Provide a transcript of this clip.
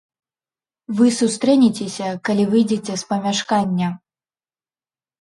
Вы сустрэнецеся, калі выйдзеце з памяшкання.